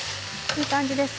いい感じです。